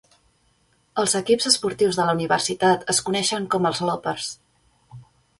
Els equips esportius de la universitat es coneixen com els Lopers.